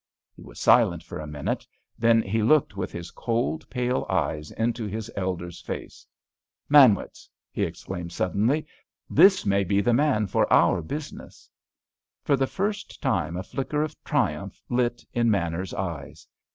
He was silent for a minute; then he looked with his cold, pale eyes into his elder's face. "Manwitz!" he exclaimed suddenly, "this may be the man for our business!" For the first time a flicker of triumph lit in Manners's eyes.